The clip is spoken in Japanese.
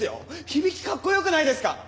響きかっこよくないですか？